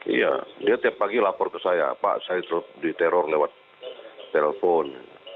iya dia tiap pagi lapor ke saya pak saya diteror lewat telepon